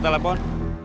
gak ada telepon